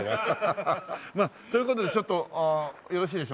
まあという事でちょっとよろしいでしょう。